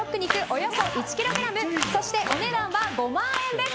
およそ１ｋｇお値段は５万円です。